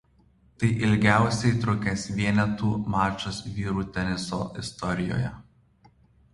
Tai ilgiausiai trukęs vienetų mačas vyrų teniso istorijoje.